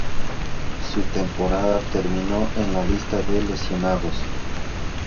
Su temporada terminó en la lista de lesionados.